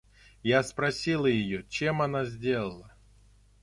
Я спросила её, чем она сделала.